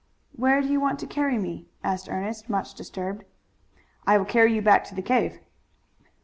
"Where do you want to carry me?" asked Ernest, much disturbed. "I will carry you back to the cave."